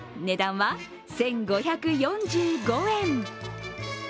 値段は１５４５円。